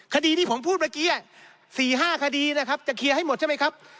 คดีที่ผมพูดเมื่อกี้๔๕คดีนะครับจะเคลียร์ให้หมดใช่ไหมครับ